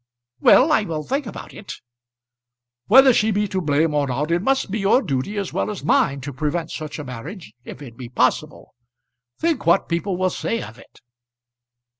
"Well; I will think about it." "Whether she be to blame or not it must be your duty as well as mine to prevent such a marriage if it be possible. Think what people will say of it?"